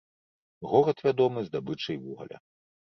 Горад вядомы здабычай вугаля.